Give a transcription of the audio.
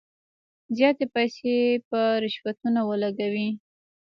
زیاتي پیسې په رشوتونو ولګولې.